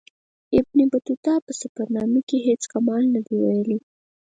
ابن بطوطه په سفرنامې کې هیڅ کمال نه دی ویلی.